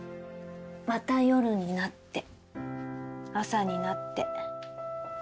「また夜になって朝になって」